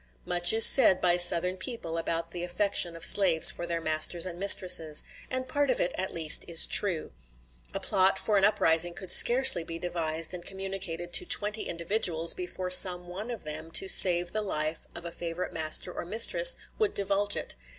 Much is said by Southern people about the affection of slaves for their masters and mistresses; and a part of it, at least, is true. A plot for an uprising could scarcely be devised and communicated to twenty individuals before some one of them, to save the life of a favorite master or mistress, would divulge it.